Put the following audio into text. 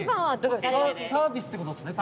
サービスってことですねこれは。